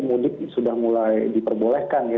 mudik sudah mulai diperbolehkan ya